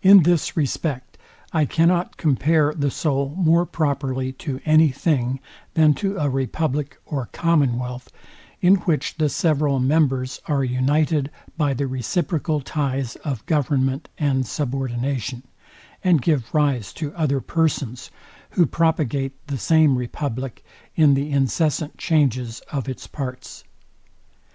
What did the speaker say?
In this respect, I cannot compare the soul more properly to any thing than to a republic or commonwealth, in which the several members are united by the reciprocal ties of government and subordination, and give rise to other persons, who propagate the same republic in the incessant changes of its parts.